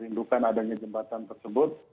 rindukan adanya jembatan tersebut